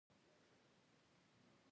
ډېر د برم او خوښۍ جلوسونه تېر شول.